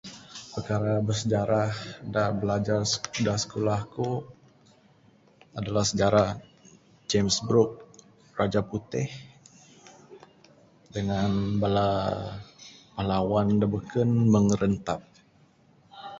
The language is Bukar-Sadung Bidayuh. Perkara bersejarah da bilajar da sikulah aku adalah sejarah James Brooke, Rajah Puteh, dangan bala pahlawan da beken meng Rentap.